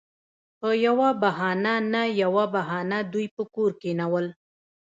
پـه يـوه بهـانـه نـه يـوه بهـانـه دوي پـه کـور کېـنول.